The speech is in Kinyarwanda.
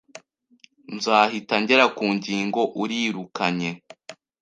Nzahita ngera ku ngingo. Urirukanye.